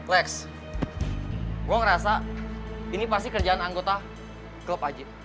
lex gue ngerasa ini pasti kerjaan anggota klub aja